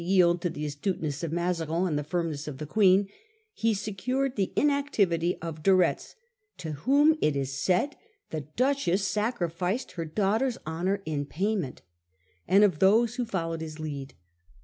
51 yield to the astuteness of Mazarin and the firmness of the Queen, he secured the inactivity of De Retz (to whom, it is said, the Duchess sacrificed her daughter's honour in payment), and of those who followed his lead.